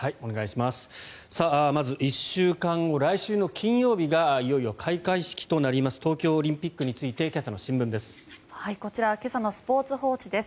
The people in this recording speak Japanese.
まず１週間後、来週の金曜日がいよいよ開会式となります東京オリンピックについて今朝の新聞です。